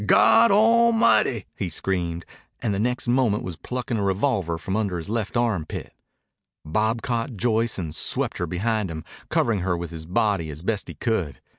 "Goddlemighty!" he screamed, and next moment was plucking a revolver from under his left armpit. Bob caught Joyce and swept her behind him, covering her with his body as best he could.